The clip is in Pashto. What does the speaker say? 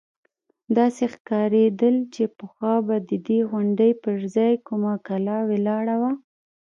داسې ښکارېدل چې پخوا به د دې غونډۍ پر ځاى کومه کلا ولاړه وه.